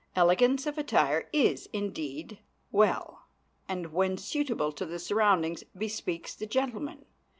Elegance of attire is, indeed, well, and, when suitable to the surroundings, bespeaks the gentleman.